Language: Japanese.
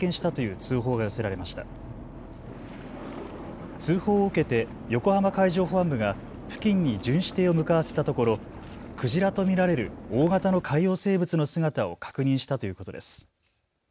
通報を受けて、横浜海上保安部が付近に巡視艇を向かわせたところクジラと見られる大型の海洋生物の姿を確認したということです。